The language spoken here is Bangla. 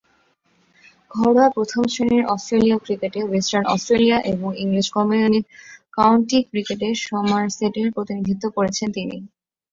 ঘরোয়া প্রথম-শ্রেণীর অস্ট্রেলীয় ক্রিকেটে ওয়েস্টার্ন অস্ট্রেলিয়া এবং ইংরেজ কাউন্টি ক্রিকেটে সমারসেটের প্রতিনিধিত্ব করেছেন তিনি।